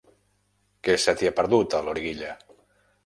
Què se t'hi ha perdut, a Loriguilla?